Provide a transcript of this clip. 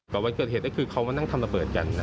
วันเกิดเหตุก็คือเขามานั่งทำระเบิดกัน